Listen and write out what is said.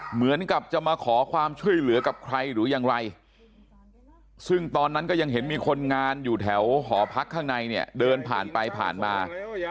เหมือนกับจะมาขอความช่วยเหลือกับใครหรือยังไรซึ่งตอนนั้นก็ยังเห็นมีคนงานอยู่แถวหอพักข้างในเนี่ยเดินผ่านไปผ่านมา